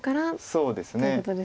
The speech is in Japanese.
そうですね。